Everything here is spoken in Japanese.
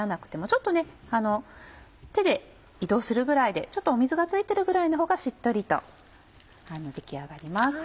ちょっと手で移動するぐらいでちょっと水が付いてるぐらいのほうがしっとりと出来上がります。